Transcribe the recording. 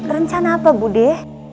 rencana apa budi